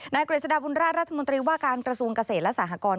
นายเกรจดาบุญราชรัฐมนตรีว่าการกระสูงเกษตรและสหกร